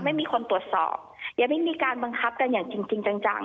ไม่มีคนตรวจสอบยังไม่มีการบังคับกันอย่างจริงจริงจังจัง